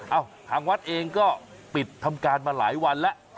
ทางวัดเองก็ปิดทำการมาหลายวันแล้ว